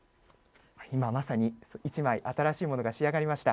今まさに、１枚新しいものが仕上がりました。